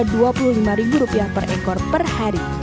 mereka memotok harga dua puluh lima ribu rupiah per ekor per hari